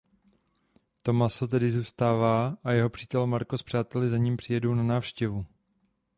Tommaso tedy zůstává a jeho přítel Marco s přáteli za ním přijedou na návštěvu.